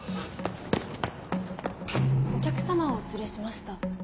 お客さまをお連れしました。